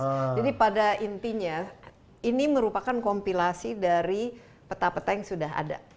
jadi pada intinya ini merupakan kompilasi dari peta peta yang sudah ada